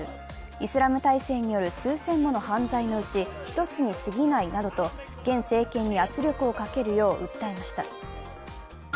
イスラム体制による数千もの犯罪のうちの１つにすぎないなどと現政権に圧力をかけるよう訴えました。